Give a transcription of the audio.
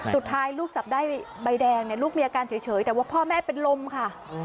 สุดท้ายลูกจับได้ใบแดงเนี่ยลูกมีอาการเฉยแต่ว่าพ่อแม่เป็นลมค่ะ